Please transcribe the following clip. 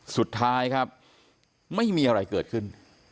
สุดท้ายครับไม่มีอะไรเกิดขึ้น